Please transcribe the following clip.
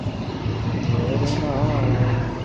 তাহলে আরেকটা কয়েন পাওয়ার মতো কোনো জায়গা নেই?